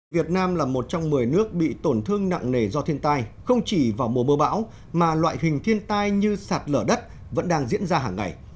việt nam là một trong một mươi nước bị tổn thương nặng nề do thiên tai không chỉ vào mùa mưa bão mà loại hình thiên tai như sạt lở đất vẫn đang diễn ra hàng ngày